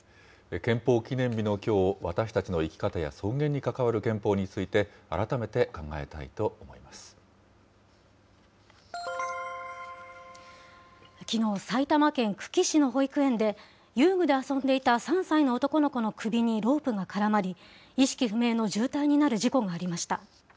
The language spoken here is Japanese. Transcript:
憲法記念日のきょう、私たちの生き方や尊厳に関わる憲法について、改めて考えたいと思きのう、埼玉県久喜市の保育園で、遊具で遊んでいた３歳の男の子の首にロープが絡まり、意識不明の重体になる事故がありました。